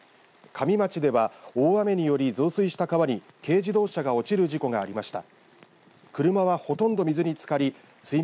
加美町では大雨により増水した川に軽自動車が落ちる事故がありました。